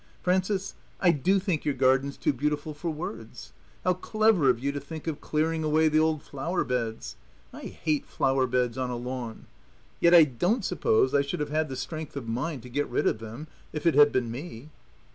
"Frances, I do think your garden's too beautiful for words. How clever of you to think of clearing away the old flower beds. I hate flower beds on a lawn. Yet I don't suppose I should have had the strength of mind to get rid of them if it bad been me."